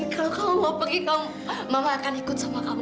kalau kamu mau pergi kau mama akan ikut sama kamu